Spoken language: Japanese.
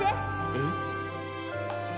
えっ。